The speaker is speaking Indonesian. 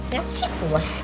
ya si puas